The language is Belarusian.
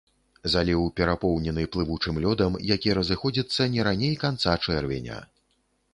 Заліў перапоўнены плывучым лёдам, які разыходзіцца не раней канца чэрвеня.